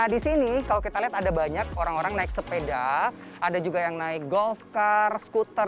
di sini kalau kita lihat ada banyak orang orang naik sepeda ada juga yang naik golf car skuter